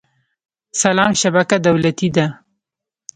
سلام شبکه دولتي ده